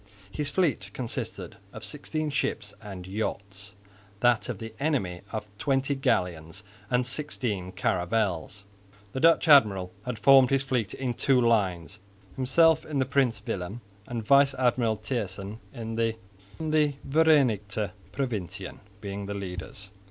His fleet consisted of sixteen ships and yachts, that of the enemy of twenty galleons and sixteen caravels. The Dutch admiral had formed his fleet in two lines, himself in the Prins Willem and Vice Admiral Thijssen in the Vereenigte Provintien being the leaders.